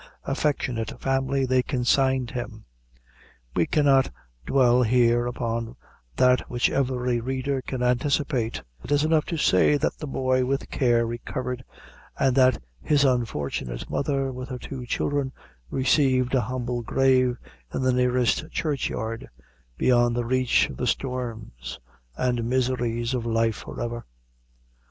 affectionate family they consigned him. We cannot dwell here upon that which every reader can anticipate; it is enough to say that the boy with care recovered, and that his unfortunate mother with her two children received an humble grave in the nearest churchyard, beyond the reach of the storms and miseries of life forever.